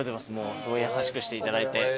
すごい優しくしていただいて。